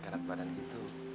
gak nak badan gitu